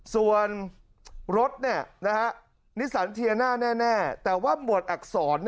ส่วนรถนิสันเทียน่าแน่แต่ว่าหมวดอักษร